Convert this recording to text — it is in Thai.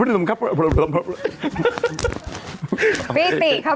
ไอ้เกียจด้วยเดี๋ยวต้องมาขอโทษกันดีกว่า